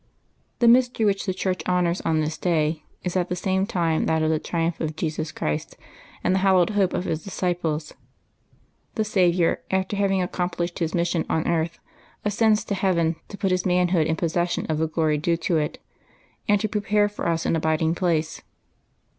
^nHE mystery which the Church honors on this day is v!y at the same time that of the triumph of Jesus Christ and the hallowed hope of His disciples. The Saviour, after having accomplished His mission on earth, ascends to heaven to put His manhood in possession of the glory 16 LIVES OF THE SAINTS due to it, and to prepare for us an abiding place.